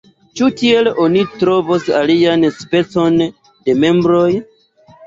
Ĉu tiel oni trovos alian specon de membroj?